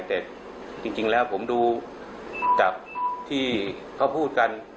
แต่จริงแล้วผมดูจากที่เขาพูดกัน